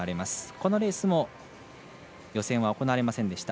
このレースも予選は行われませんでした。